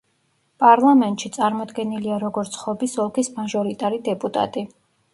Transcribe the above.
პარლამენტში წარმოდგენილია, როგორც ხობის ოლქის მაჟორიტარი დეპუტატი.